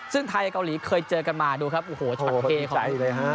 ซึ่งไทยกับเกาหลีเคยเจอกันมาดูครับโอ้โหชะมัดเก่งของพวกเรา